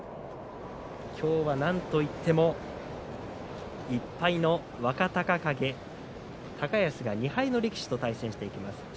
きょうはなんといっても１敗の若隆景、高安が２敗の力士と対戦していきます。